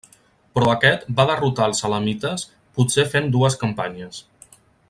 Però aquest va derrotar els elamites, potser fent dues campanyes.